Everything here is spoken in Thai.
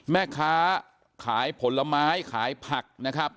แม่ค้าขายผลไม้ขายผักนะครับ